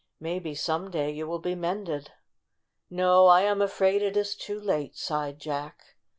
"Maybe, some day, you will be mended." "No, I am afraid it is too late," sighed Jack.